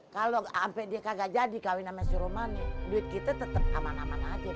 kalau sampe dia kagak jadi kawin sama si romani duit kita tetep aman aman aja mbak